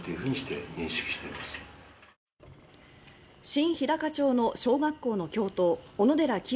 新ひだか町の小学校の教頭小野寺清